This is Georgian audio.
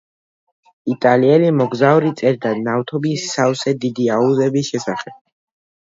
იტალიელი მოგზაური წერდა ნავთობის სავსე დიდი აუზების შესახებ.